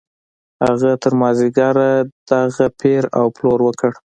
هغه تر مازديګره دغه پېر او پلور وکړ.